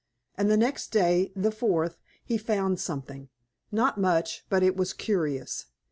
And the next day, the fourth, he found something not much, but it was curious.